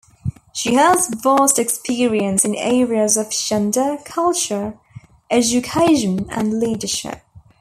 She has vast experience in areas of gender, culture, education and leadership.